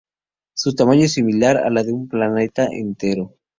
Su tamaño es similar al de un planeta entero.